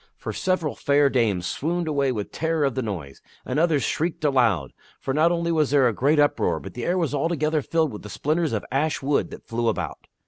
For several fair dames swooned away with terror of the noise, and others shrieked aloud ; for not only was there that great uproar, but the air was altogether filled with the splinters of ash wood that flew about.